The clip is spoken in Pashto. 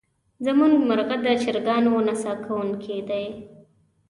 زمونږ مرغه د چرګانو نڅا کوونکې دی.